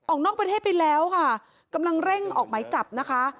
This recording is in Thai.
ออกนอกประเทศไปแล้วค่ะกำลังเร่งออกหมายจับนะคะ